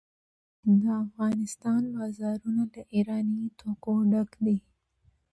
د افغانستان بازارونه له ایراني توکو ډک دي.